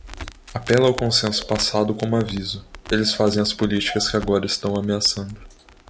Apela ao consenso passado como aviso, eles fazem as políticas que agora estão ameaçando.